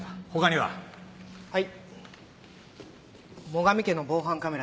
はい。